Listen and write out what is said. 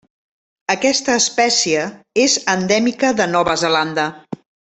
Aquesta espècie és endèmica de Nova Zelanda.